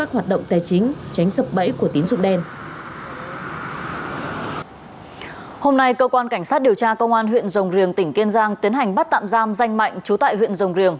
hôm nay cơ quan cảnh sát điều tra công an huyện rồng riềng tỉnh kiên giang tiến hành bắt tạm giam danh mạnh trú tại huyện rồng riềng